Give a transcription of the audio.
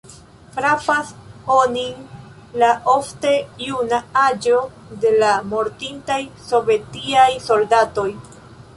Frapas onin la ofte juna aĝo de la mortintaj sovetiaj soldatoj.